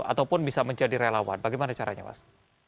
ataupun bisa menjadi relawan bagaimana caranya mas